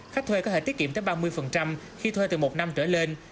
khách thuê có thể tiết kiệm tới ba mươi khi thuê từ một năm trở lên